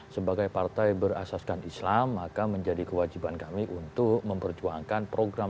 sebagai partai berasaskan islam maka menjadi kewajiban kami untuk memperjuangkan program